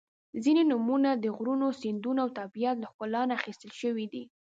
• ځینې نومونه د غرونو، سیندونو او طبیعت له ښکلا نه اخیستل شوي دي.